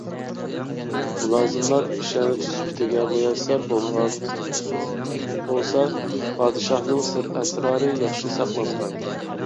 مۇلازىملار ئىشەنچ سۈپىتىگە مۇيەسسەر بولغان بولسا، پادىشاھنىڭ سىر - ئەسرارى ياخشى ساقلانغاي.